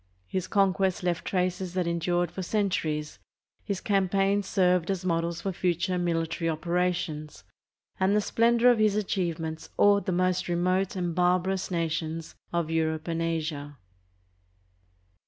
His conquests left traces that endured for cen turies, his campaigns served as models for future military operations, and the splendor of his achievements awed the most remote and barbarous nations of Europe and Asia.